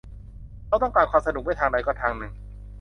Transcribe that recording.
เราต้องการความสนุกไม่ทางใดก็ทางหนึ่ง